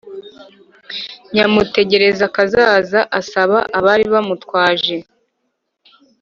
nyamutegerakazaza asaba abari bamutwaje